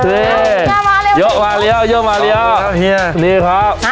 เฮ้ยยกมาเร็วนี่ครับ